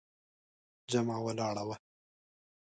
جمعه ولاړه وه.